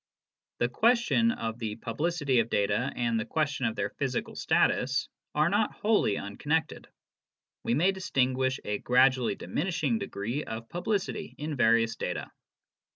The question of the publicity of data and the question of their physical status are not wholly unconnected. We may distinguish a gradually diminishing degree of publicity in various data.